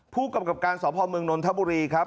ผู้กำกับการสพเมืองนนทบุรีครับ